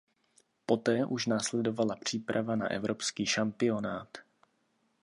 Poté už následovala příprava na evropský šampionát.